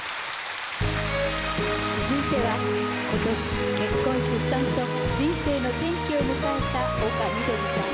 続いては今年結婚出産と人生の転機を迎えた丘みどりさん。